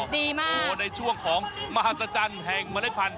ดีมากโอ้โหในช่วงของมหัศจรรย์แห่งเมล็ดพันธ